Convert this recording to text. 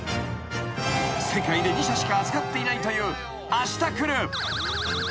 ［世界で２社しか扱っていないというあした来るゴールドとは］